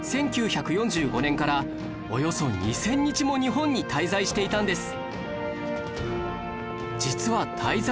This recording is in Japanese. １９４５年からおよそ２０００日も日本に滞在していたんです